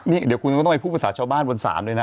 นี่เดี๋ยวก็ต้องเอาผู้ชาวบ้านบนสามด้วยนะ